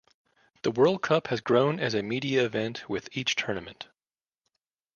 The World Cup has grown as a media event with each tournament.